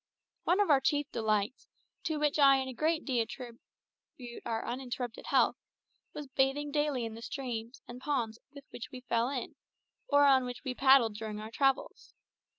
One of our chief delights, to which I in a great degree attribute our uninterrupted health, was bathing daily in the streams and ponds with which we fell in, or on which we paddled during our travels.